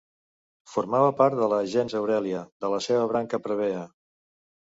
Formava part de la gens Aurèlia, de la seva branca plebea.